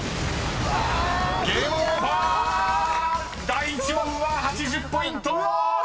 ［第１問は８０ポイント！］